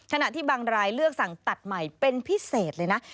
ขณะที่บางรายเลือกสั่งตัดใหม่เป็นพิเศษเลยนะ